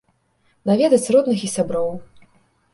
Наведаць родных і сяброў.